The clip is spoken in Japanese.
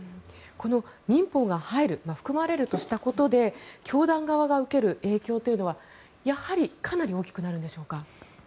この民法が入るが含まれるとしたことで教団側が受ける影響はやはりかなり大きくなるんでしょうか？